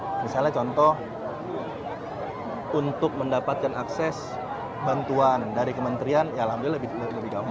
misalnya contoh untuk mendapatkan akses bantuan dari kementerian ya alhamdulillah lebih gampang